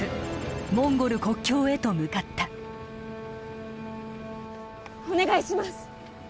モンゴル国境へと向かったお願いします